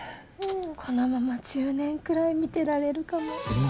このまま１０年くらい見てられるかも。